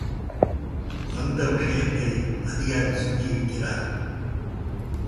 வந்த விஷயத்தை அதிகாரி சொல்லியிருக்கிறார்.